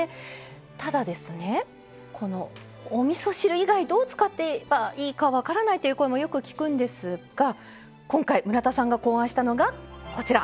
ただ、おみそ汁以外どう使っていいか分からないという声をよく聞くんですが今回、村田さんが考案したのが。